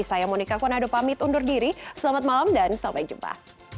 saya monika konado pamit undur diri selamat malam dan sampai jumpa